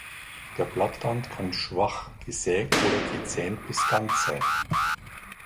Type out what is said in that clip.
Der Blattrand kann schwach gesägt oder gezähnt bis ganz sein.